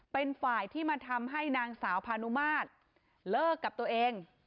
เป็นฝ่ายที่มาทำให้นางสาวพานุมาตรเลิกกับตัวเอง